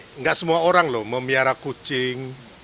tidak semua orang loh memiara kucing